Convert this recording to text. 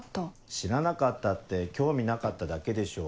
知らなかったって興味なかっただけでしょ。